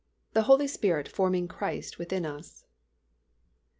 THE HOLY SPIRIT FORMING CHRIST WITHIN US.